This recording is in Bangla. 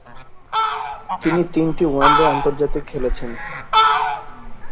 তিনি তিনটি ওয়ানডে আন্তর্জাতিক খেলেছেন।